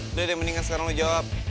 udah deh mendingan sekarang lo jawab